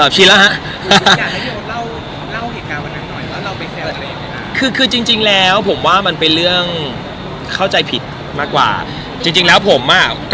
จริงแล้วผมว่ามันเป็นเรื่องเข้าใจผิดมากกว่าจริงแล้วผมอ่ะ